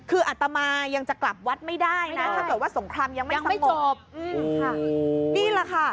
คืออัตมายังจะกลับวัดไม่ได้นะถ้าเกิดว่าสงครามยังไม่จบค่ะนี่แหละค่ะ